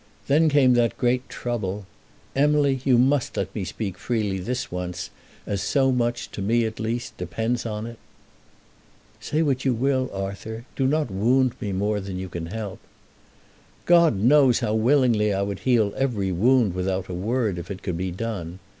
Then came that great trouble. Emily, you must let me speak freely this once, as so much, to me at least, depends on it." "Say what you will, Arthur. Do not wound me more than you can help." "God knows how willingly I would heal every wound without a word if it could be done.